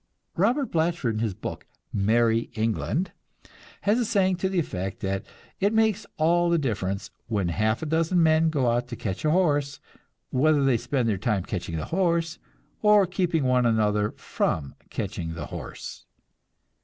Robert Blatchford in his book, "Merrie England," has a saying to the effect that it makes all the difference, when half a dozen men go out to catch a horse, whether they spend their time catching the horse or keeping one another from catching the horse.